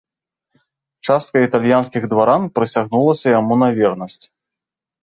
Частка італьянскіх дваран прысягнулася яму на вернасць.